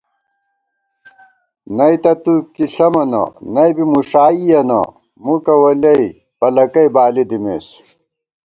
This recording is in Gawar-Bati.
نئ تہ تُوکی ݪَمَنہ، نئ بی مُݭائیَنہ، مُکہ وَلیَئ پَلَکئ بالی دِمېس